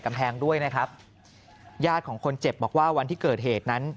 กำแพงด้วยนะครับญาติของคนเจ็บบอกว่าวันที่เกิดเหตุนั้น